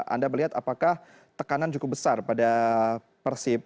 anda melihat apakah tekanan cukup besar pada persib